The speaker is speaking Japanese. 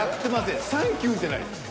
「サンキュー！」じゃないですか。